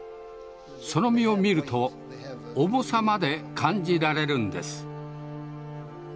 その実を見ると重さまで感じられるんです。